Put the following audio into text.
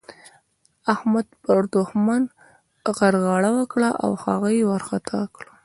احمد پر دوښمن غرغړه وکړه او هغه يې وارخطا کړ.